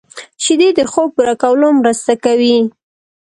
شیدې د خوب پوره کولو مرسته کوي